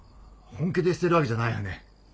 本気で捨てるわけじゃないよね。